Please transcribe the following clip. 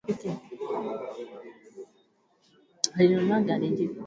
Alinunua gari jipya